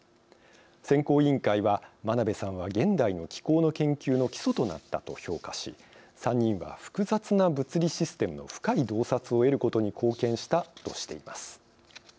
選考委員会は真鍋さんは現代の気候の研究の基礎となったと評価し３人は複雑な物理システムの深い洞察を得ることに貢献したとしています。